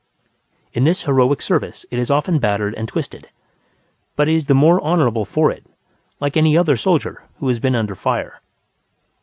In this heroic service it is often battered and twisted, but is the more honourable for it, like any other soldier who has been under fire.